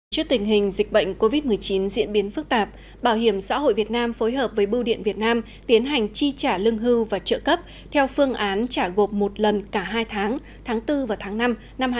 trước tình hình dịch bệnh covid một mươi chín diễn biến phức tạp bảo hiểm xã hội việt nam phối hợp với bưu điện việt nam tiến hành chi trả lương hưu và trợ cấp theo phương án trả gộp một lần cả hai tháng tháng bốn và tháng năm năm hai nghìn hai mươi